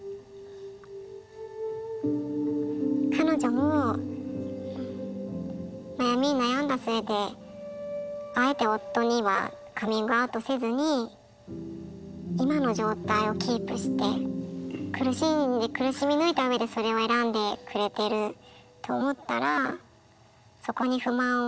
彼女も悩みに悩んだ末であえて夫にはカミングアウトせずに今の状態をキープして苦しみに苦しみ抜いたうえでそれを選んでくれてると思ったらそこに不満を。